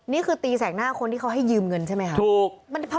นี่คือตีแสกหน้าคนที่เขาให้ยืมเงินใช่ไหมคะ